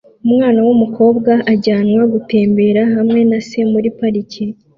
Umwana wumukobwa ajyanwa gutembera hamwe na se muri parike